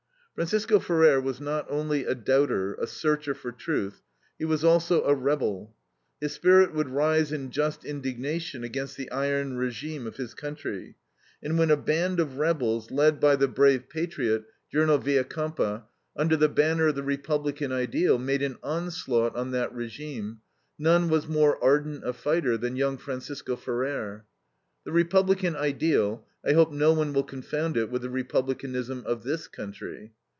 Francisco Ferrer was not only a doubter, a searcher for truth; he was also a rebel. His spirit would rise in just indignation against the iron regime of his country, and when a band of rebels, led by the brave patriot, General Villacampa, under the banner of the Republican ideal, made an onslaught on that regime, none was more ardent a fighter than young Francisco Ferrer. The Republican ideal, I hope no one will confound it with the Republicanism of this country.